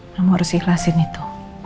kamu harus ikhlasin itu